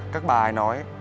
các bà ấy nói